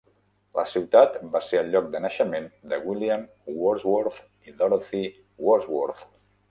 La ciutat va ser el lloc de naixement de William Wordsworth i Dorothy Wordsworth.